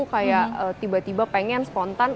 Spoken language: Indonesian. kayak tiba tiba pengen spontan